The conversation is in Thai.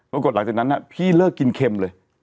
ปรากฏหลังจากนั้นพี่เลิกกินเค็มเลย